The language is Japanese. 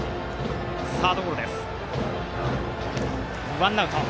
ワンアウト。